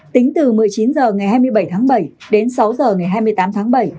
tính từ một mươi chín h ngày hai mươi bảy tháng bảy đến sáu h ngày hai mươi tám tháng bảy